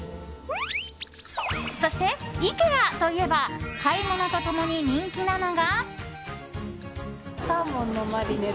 そしてイケアといえば買い物と共に人気なのが。